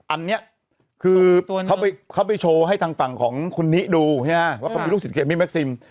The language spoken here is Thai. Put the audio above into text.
อันเนี้ยคือเขาไปเขาไปโชว์ให้ต่างต่างของคุณนี้ดูเนี้ยว่าเขาเป็นลูกศิษย์เขียนมี่แม็กซิม